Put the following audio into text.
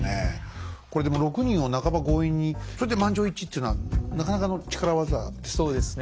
これでも６人を半ば強引にそれで満場一致っていうのはなかなかの力業ですね。